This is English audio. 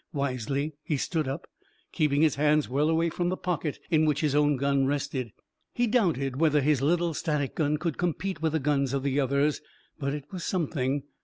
Wisely, he stood up, keeping his hands well away from the pocket in which his own gun rested. He doubted whether his little static gun could compete with the guns of the others, but it was something.